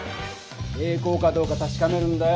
平行かどうかたしかめるんだよ。